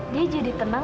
dia jadi tenang